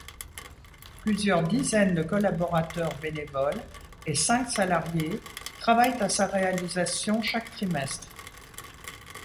Plusieurs dizaines de collaborateurs bénévoles et cinq salariés travaillent à sa réalisation chaque trimestre.